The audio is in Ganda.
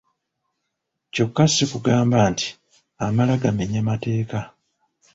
Kyokka si kugamba nti amala gamenya mateeka.